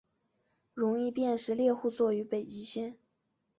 容易辨识猎户座与北极星